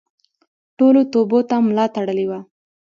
ټولو توبو ته ملا تړلې وه.